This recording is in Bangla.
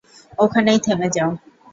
ওখানেই থেমে যাও।